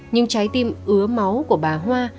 nhưng trái tim ứa máu của bà hoa